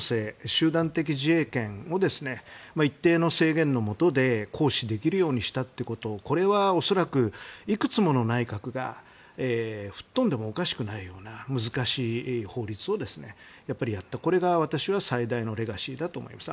集団的自衛権を一定の制限の下で行使できるようにしたということこれは恐らく、いくつもの内閣が吹っ飛んでもおかしくないような難しい法律をやったことが最大のレガシーだと思います。